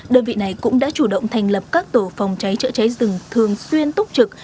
đơn vị này cũng đã chủ động thành lập các tổ phòng cháy chữa cháy rừng thường xuyên túc trực